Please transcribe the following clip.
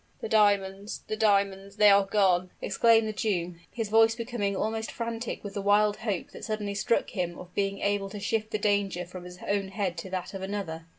"The diamonds, the diamonds, they are gone!" exclaimed the Jew, his voice becoming almost frantic with the wild hope that suddenly struck him of being able to shift the danger from his own head to that of another.